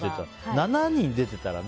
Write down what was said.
７人出てたらね。